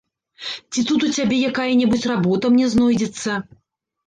Ці тут у цябе якая-небудзь работа мне знойдзецца?